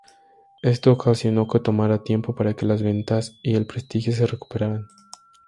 Esto ocasionó que tomara tiempo para que las ventas y el prestigio se recuperaran.